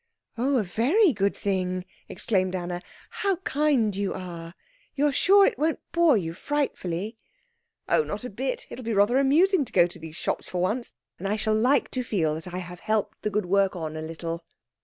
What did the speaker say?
"Oh, a very good thing," exclaimed Anna. "How kind you are! You are sure it won't bore you frightfully?" "Oh, not a bit. It will be rather amusing to go into those shops for once, and I shall like to feel that I have helped the good work on a little."